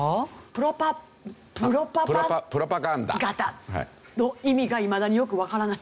プロパプロパパ。の意味がいまだによくわからない。